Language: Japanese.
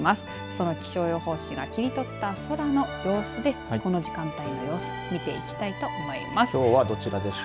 その気象予報士が切り取った空の様子でこの時間帯の様子見ていきたいと思います。